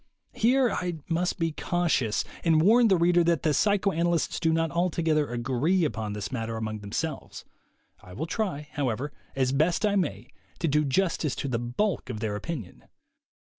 Here I must be cautious, and warn the reader that the psycho analysts do not altogether agree upon this matter among themselves. I will try, however, as best I may, to do justice to the bulk of their opinion.